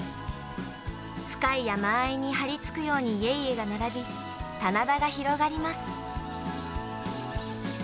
深い山あいに張り付くように家々が並び、棚田が広がります。